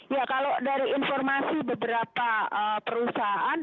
ya kalau dari informasi beberapa perusahaan